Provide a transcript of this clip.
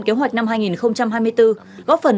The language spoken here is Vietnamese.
kế hoạch năm hai nghìn hai mươi bốn góp phần